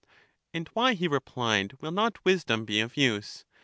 ^* And why, he replied, will not wisdom be of use?